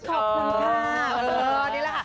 ขอบคุณค่ะ